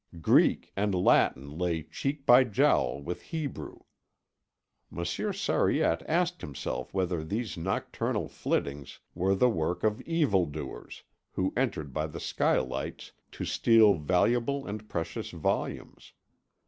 Greek and Latin lay cheek by jowl with Hebrew. Monsieur Sariette asked himself whether these nocturnal flittings were the work of evil doers who entered by the skylights to steal valuable and precious volumes.